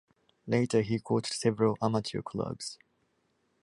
Later he coached several amateur clubs.